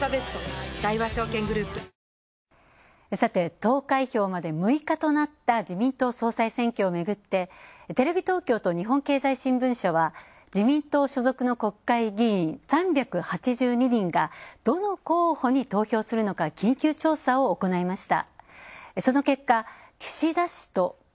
投開票まで６日となった自民党総裁選挙をめぐってテレビ東京と日本経済新聞社は自民党所属の国会議員３８２人がどの候補に投票するのか緊急調査を行いました。